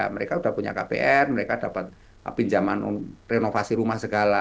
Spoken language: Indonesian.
mereka sudah punya kpn mereka dapat pinjaman renovasi rumah segala